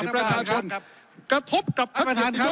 ประชาชนครับขอประท้วงครับขอประท้วงครับ